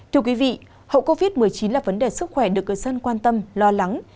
thưa quý vị hậu covid một mươi chín là vấn đề sức khỏe được cư dân quan tâm lo lắng